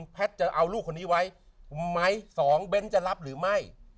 แพทย์จะเอาลูกคนนี้ไว้ไหม๒เบ้นจะรับหรือไม่